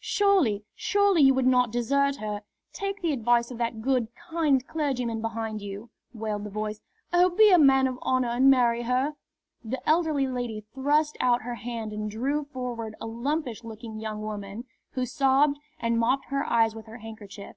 "Surely, surely you would not desert her! Take the advice of that good, kind clergyman behind you!" wailed the voice. "Oh, be a man of honour and marry her!" The elderly lady thrust out her hand and drew forward a lumpish looking young woman, who sobbed and mopped her eyes with her handkerchief.